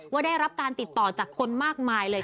ได้รับการติดต่อจากคนมากมายเลย